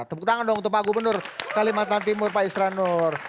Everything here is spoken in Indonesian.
tepuk tangan dong untuk pak gubernur kalimantan timur pak isran nur